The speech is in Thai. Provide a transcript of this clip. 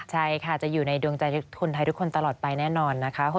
ใช่ค่ะจะอยู่ในดวงใจคนไทยทุกคนตลอดไปแน่นอนนะคะ